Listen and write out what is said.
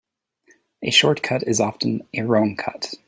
A short cut is often a wrong cut.